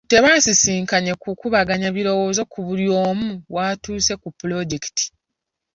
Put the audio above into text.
Tebaasisinkanye kukubaganya birowoozo ku buli omu waatuuse ku pulojekiti.